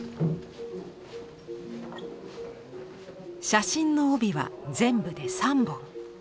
写真の帯は全部で３本。